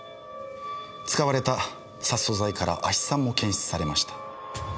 使われた殺鼠剤から亜ヒ酸も検出されました。